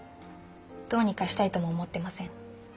どうにかしたいとも思ってません。